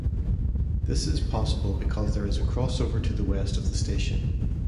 This is possible because there is a crossover to the west of the station.